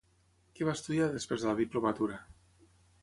Què va estudiar després de la diplomatura?